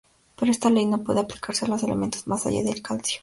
Pero esta ley no puede aplicarse a los elementos más allá del Calcio.